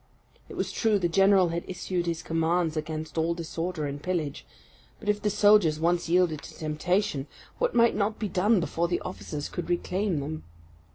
It was true the general had issued his commands against all disorder and pillage; but if the soldiers once yielded to temptation, what might not be done before the officers could reclaim them!